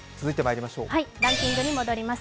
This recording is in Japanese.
ランキングに戻ります。